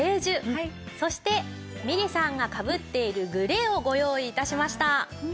そしてみれさんがかぶっているグレーをご用意致しました。